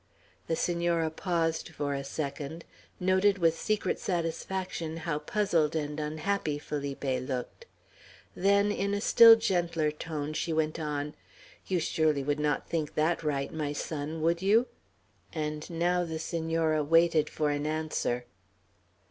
The Senora paused for a second, noted with secret satisfaction how puzzled and unhappy Felipe looked; then, in a still gentler voice, she went on, "You surely would not think that right, my son, would you?" And now the Senora waited for an answer.